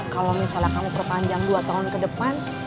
kalau misalnya kamu perpanjang dua tahun ke depan